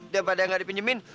daripada gak dipinjemin